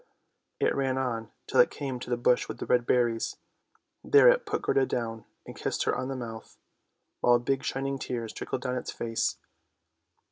It ran on till it came to the bush with the red berries. There it put Gerda down, and kissed her on the mouth, while big shining tears trickled down its face.